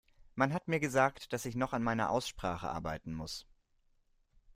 Man hat mir gesagt, dass ich noch an meiner Aussprache arbeiten muss.